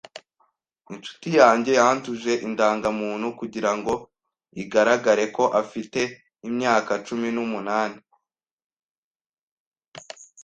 Inshuti yanjye yanduje indangamuntu kugirango igaragare ko afite imyaka cumi numunani.